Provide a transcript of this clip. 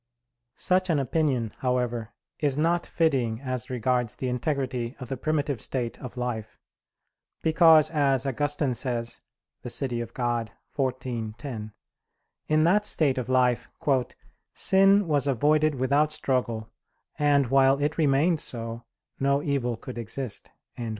Such an opinion, however, is not fitting as regards the integrity of the primitive state of life; because, as Augustine says (De Civ. Dei xiv, 10), in that state of life "sin was avoided without struggle, and while it remained so, no evil could exist."